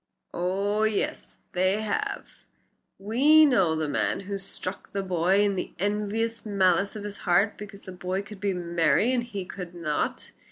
"Oh! yes, they have. We know the man who struck the boy in the envious malice of his heart because the boy could be merry and he could not."